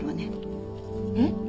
えっ？